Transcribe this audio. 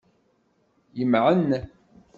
Yemɛen.